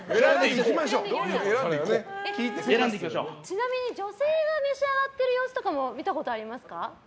ちなみに女性が召し上がっている様子とか見たことありますか？